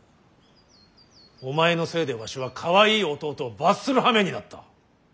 お前のせいでわしはかわいい弟を罰するはめになった。